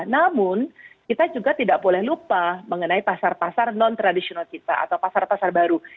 namun kita juga tidak boleh lupa mengenai pasar pasar non tradisional kita atau pasar pasar baru